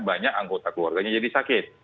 banyak anggota keluarganya jadi sakit